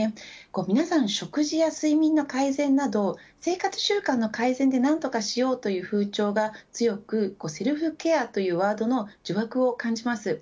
皆さん食事や睡眠の改善など生活習慣の改善で何とかしようという風潮が強くセルフケアというワードの呪縛を感じます。